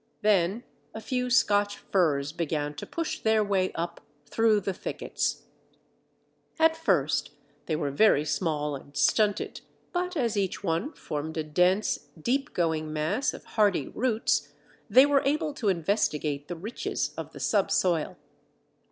Then a few Scotch firs began to push their way up, through the thickets. At first they were very small and stunted, but as each one formed a dense, deep going mass of hardy roots, they were able to investigate the riches of the subsoil.